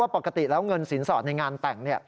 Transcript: ปกติแล้วเงินสินสอดในงานแต่ง